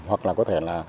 hoặc là có thể